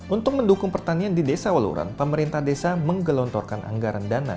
untuk mendukung pertanian di desa waluran pemerintah desa menggelontorkan anggaran dana